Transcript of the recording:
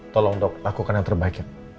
tolong dok lakukan yang terbaik ya